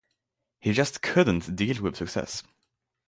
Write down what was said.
He just couldn't deal with success.